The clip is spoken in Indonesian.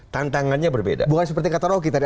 tantangannya berbeda bukan seperti kata rocky tadi